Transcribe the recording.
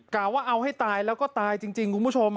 กลัวว่าเอาให้ตายแล้วก็ตายจริง